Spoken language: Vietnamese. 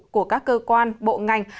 của các cơ quan bộ ngành